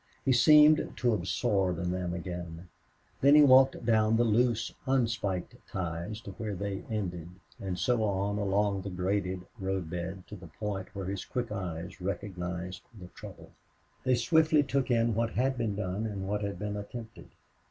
He seemed to absorb in them again. Then he walked down the loose, unspiked ties to where they ended, and so on along the graded road bed to the point where his quick eyes recognized the trouble. They swiftly took in what had been done and what had been attempted.